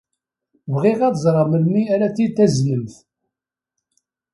Bɣiɣ ad ẓreɣ melmi ara t-id-taznemt.